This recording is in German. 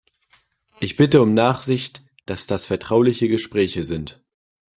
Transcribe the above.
Ich bitte um Nachsicht, dass das vertrauliche Gespräche sind.